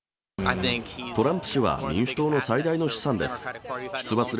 トランプ氏は民主党の最大の資産です。